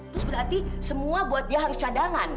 terus berarti semua buat dia harus cadangan